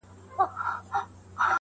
د مسلې حل ضرور دی